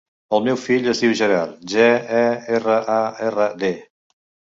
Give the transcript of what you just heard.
El meu fill es diu Gerard: ge, e, erra, a, erra, de.